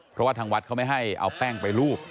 เพราะว่าทางวัดเขาไม่ให้เอาแป้งไปรูป